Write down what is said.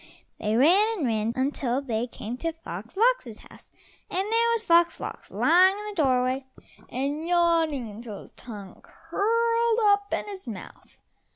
They ran and ran until they came to Fox lox's house, and there was Fox lox lying in the doorway and yawning until his tongue curled up in his mouth.